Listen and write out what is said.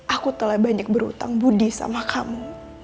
aku telah banyak berhutang budi sama kamu